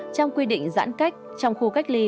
trong quy định giãn cách trong khu cách ly